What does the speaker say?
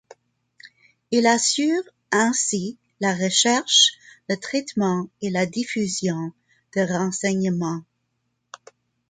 Il assure ainsi la recherche, le traitement et la diffusion de renseignement.